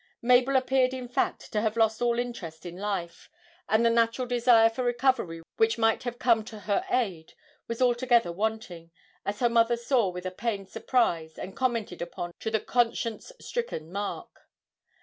Mabel appeared in fact to have lost all interest in life, and the natural desire for recovery which might have come to her aid was altogether wanting, as her mother saw with a pained surprise, and commented upon to the conscience stricken Mark.